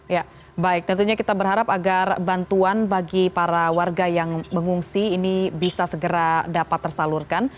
ya baik tentunya kita berharap agar bantuan bagi para warga yang mengungsi ini bisa segera dapat tersalurkan